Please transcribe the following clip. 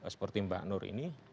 seperti mbak nur ini